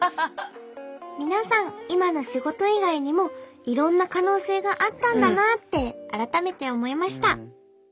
皆さん今の仕事以外にもいろんな可能性があったんだなって改めて思いました。